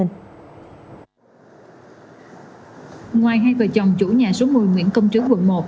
ngoài hai vợ chồng chủ nhà số một mươi nguyễn công trứ quận một